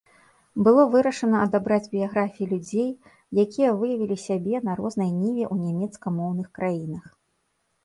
Было вырашана адабраць біяграфіі людзей, якія выявілі сябе на рознай ніве ў нямецкамоўных краінах.